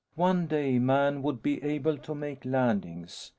One day, Man would be able to make landings.